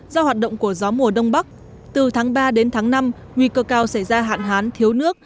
do hoạt động của gió mùa đông bắc từ tháng ba đến tháng năm nguy cơ cao xảy ra hạn hán thiếu nước